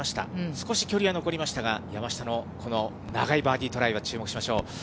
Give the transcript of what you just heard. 少し距離は残りましたが、山下のこの長いバーディートライは注目しましょう。